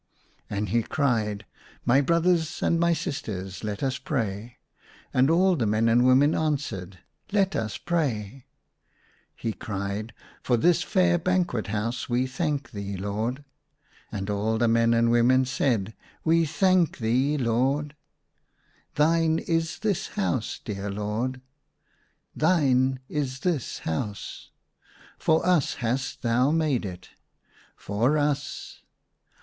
And he cried, " My brothers and my sisters, let us pray." And all the men and women answered, *' Let us pray." He cried, " For this fair banquet house we thank thee, Lord." And all the men and women said "We thank thee, Lord." 142 THE SUNLIGHT LA V Thine is this house, dear Lord." " Thine is this house." " For us hast thou made it." " For us."